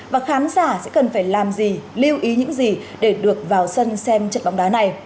và khán giả sẽ cần phải làm gì lưu ý những gì để được vào sân xem trận bóng đá này